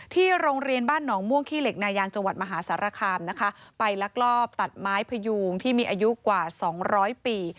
โรงเรียนบ้านหนองม่วงขี้เหล็กนายางจังหวัดมหาสารคามนะคะไปลักลอบตัดไม้พยูงที่มีอายุกว่าสองร้อยปี